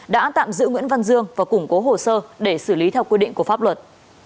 đã tạm giữ nguyễn văn dương và củng cố hồ sơ để xử lý theo quy định của pháp luật